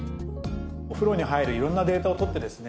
お風呂に入る色んなデータを取ってですね